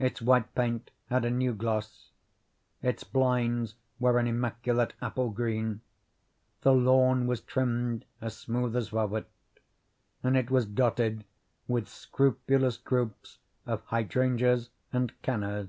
Its white paint had a new gloss; its blinds were an immaculate apple green; the lawn was trimmed as smooth as velvet, and it was dotted with scrupulous groups of hydrangeas and cannas.